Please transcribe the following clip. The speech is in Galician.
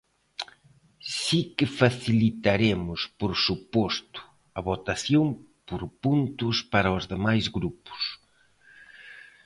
Si que facilitaremos, por suposto, a votación por puntos para os demais grupos.